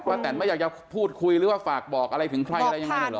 แตนไม่อยากจะพูดคุยหรือว่าฝากบอกอะไรถึงใครอะไรยังไงหน่อยเหรอ